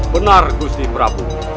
benar gusti prabu